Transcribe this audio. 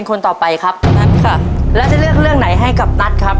ขอให้โชคดีนะครับ